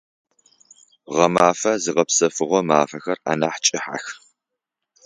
Гъэмэфэ зыгъэпсэфыгъо мафэхэр анахь кӏыхьэх.